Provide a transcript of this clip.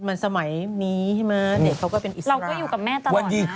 อ๋อแต่เมื่อสมัยนี้ไหมเด็กเค้าก็เป็นอิสระ